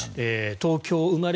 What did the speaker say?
東京生まれ